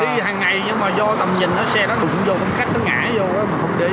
đi hàng ngày nhưng mà do tầm nhìn đó xe nó đụng vô khách nó ngã vô mà không để ý